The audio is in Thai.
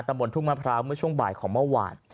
บนทุ่งมะพร้าวเมื่อช่วงบ่ายของเมื่อวาน